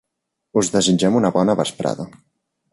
Us desitgem una bona vesprada.